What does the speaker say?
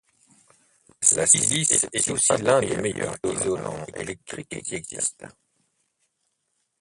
La silice est aussi l'un des meilleurs isolants électriques qui existe.